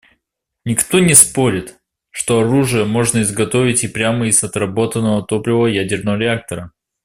Никто не спорит, что оружие можно изготовить и прямо из отработанного топлива ядерного реактора.